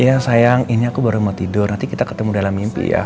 ya sayang ini aku baru mau tidur nanti kita ketemu dalam mimpi ya